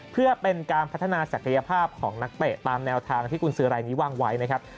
เพื่อเป็นการพัฒนาศักยภาพของนักเตะตามแนวทางที่กุญสือรายนี้วางไว้นะครับ